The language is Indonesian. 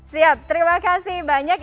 siap terima kasih banyak